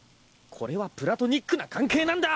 これはプラトニックな関係なんだ！